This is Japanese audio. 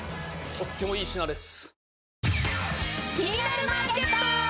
とってもいい品です